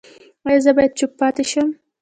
ایا زه باید چوپ پاتې شم؟